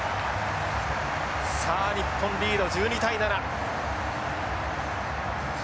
さあ日本リード１２対７。